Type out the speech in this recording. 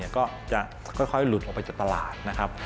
ก็จะค่อยหลุดออกไปจากตลาดนะครับ